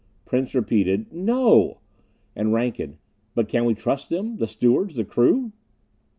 Prince repeated: "No!" And Rankin: "But can we trust them? The stewards the crew?"